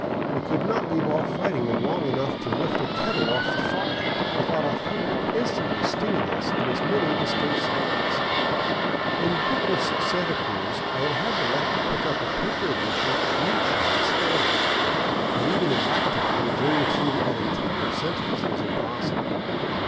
We could not leave off fighting them long enough to lift a kettle off the fire, 566 LIFE IN THE BOLIVIAN WILDERNESS without a hundred instantly stinging us in as many distinct spots. In bookless Santa Cruz I had had the luck to pick up a paper edition of Nietzsche in Spanish, but even in that tongue the journey through an entire sentence was impossible.